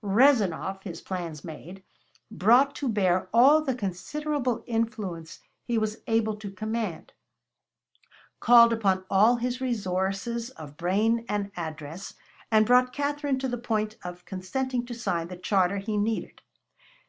Rezanov, his plans made, brought to bear all the considerable influence he was able to command, called upon all his resources of brain and address, and brought Catherine to the point of consenting to sign the charter he needed.